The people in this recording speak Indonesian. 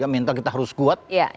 mental kita harus kuat